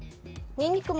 にんにくも。